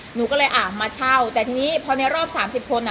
หนูก็เลยอ่ะมาเช่าแต่ทีนี้พอในรอบสามสิบคนอ่ะ